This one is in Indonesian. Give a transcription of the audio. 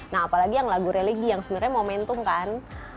nah apalagi yang lagu religi yang sebenarnya momentum kan